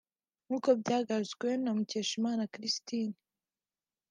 nk’uko byagarutsweho na Mukeshimana Christine